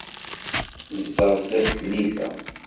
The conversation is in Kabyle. Nezdeɣ sdat tlisa.